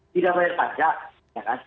tidak bayar pajak ya kan